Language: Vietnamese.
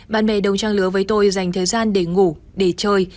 bạn bè đồng trang lứa với tôi dành thời gian để ngủ để chơi